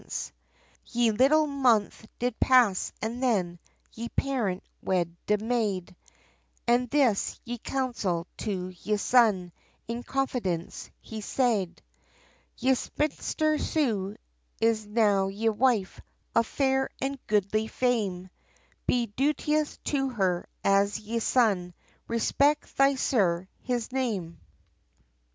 [Decoration] Ye little month did pass, and then, Ye Parent wed ye Mayde, And this, ye counsel to ye son, In confidence he say'd, "Ye Spinster Sue is now ye Wife, Of fair and goodly fame, Be duteous to her, as ye son Respect thy Sire, his name!"